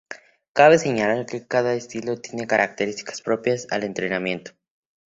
Cabe señalar que cada estilo tiene características propias al entrenamiento.